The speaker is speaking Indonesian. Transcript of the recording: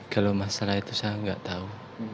kalau masalah itu saya nggak tahu